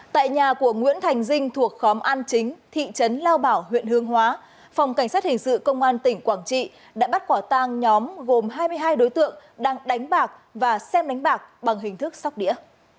tại nhà của nguyễn thành dinh thuộc khóm an chính thị trấn lao bảo huyện hương hóa phòng cảnh sát hình sự công an tỉnh quảng trị đã bắt quả tang nhóm gồm hai mươi hai đối tượng đang đánh bạc và xem đánh bạc bằng hình thức sóc đĩa